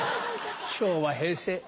「昭和平成」。